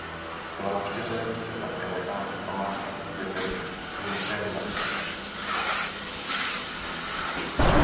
V klášteře se také nachází Památník obětem internace.